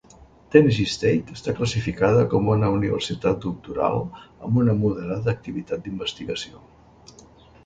Tennessee State està classificada com una Universitat Doctoral amb una moderada activitat d'investigació.